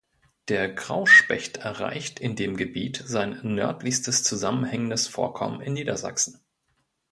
Der Grauspecht erreicht in dem Gebiet sein nördlichstes zusammenhängendes Vorkommen in Niedersachsen.